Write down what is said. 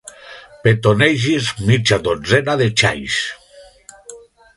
Petonegis mitja dotzena de xais.